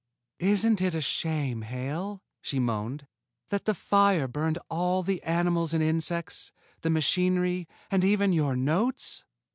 "Isn't it a shame, Hale," she moaned, "that the fire burned all the animals and insects, the machinery, and even your notes?"